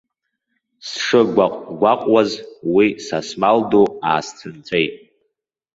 Сшыгәаҟгәаҟуаз, уи, са смал ду, аасцәынҵәеит.